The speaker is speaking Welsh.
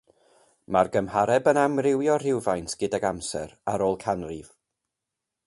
Mae'r gymhareb yn amrywio rhywfaint gydag amser, ar ôl canrif.